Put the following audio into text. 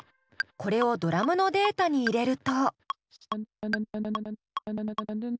これをドラムのデータに入れると。